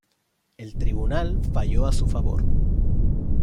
El tribunal falló a su favor.